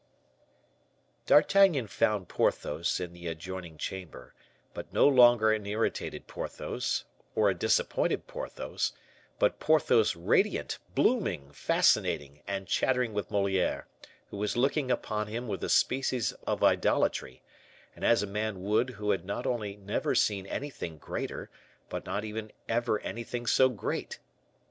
D'Artagnan found Porthos in the adjoining chamber; but no longer an irritated Porthos, or a disappointed Porthos, but Porthos radiant, blooming, fascinating, and chattering with Moliere, who was looking upon him with a species of idolatry, and as a man would who had not only never seen anything greater, but not even ever anything so great.